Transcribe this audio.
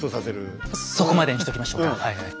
そこまでにしときましょうかはいはい。